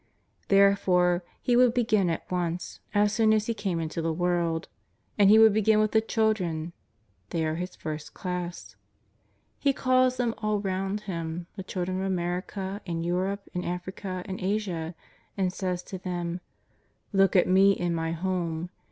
There fore He would begin at once, as soon as He came into the world. And He would begin with the children. They are His first class. He calls them all round Him, the children of America, and Europe, and Africa, and Asia, and says to them: " Look at Me in My home.